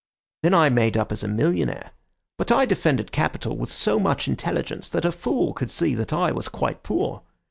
Then I made up as a millionaire; but I defended Capital with so much intelligence that a fool could see that I was quite poor.